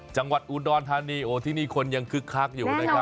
จังหวัดอุดรธานีโอ้ที่นี่คนยังคึกคักอยู่นะครับ